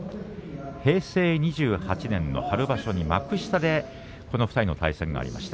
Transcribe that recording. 平成２８年の春場所に幕下でこの２人の対戦がありました。